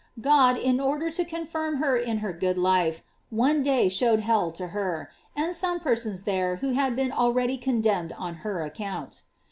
God, in order to confirm hef in her good life, one day showed hell to her, and some persons there who had been already con demned on her account.